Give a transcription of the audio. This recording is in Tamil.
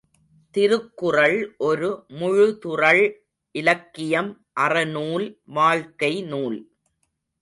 திருக்குறள் ஒரு முழுதுறழ் இலக்கியம் அறநூல் வாழ்க்கை நூல்.